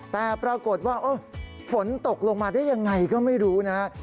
แต่ปรากฏว่าฝนตกลงมาได้ยังไงก็ไม่รู้นะ